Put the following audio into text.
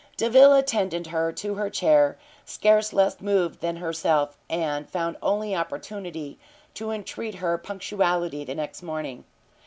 Delvile attended her to her chair, scarce less moved than herself, and found only opportunity to entreat her punctuality the next morning.